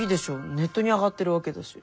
ネットに上がってるわけだし。